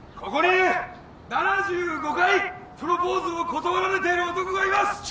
ここに７５回プロポーズを断られてる男がいます。